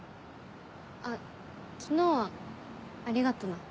あ昨日はありがとな。